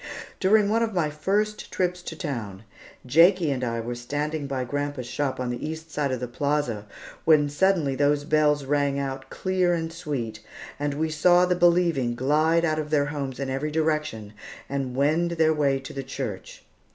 During one of my first trips to town, Jakie and I were standing by grandpa's shop on the east side of the plaza, when suddenly those bells rang out clear and sweet, and we saw the believing glide out of their homes in every direction and wend their way to the church.